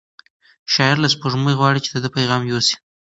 شاعر له سپوږمۍ غواړي چې د ده پیغام یوسي.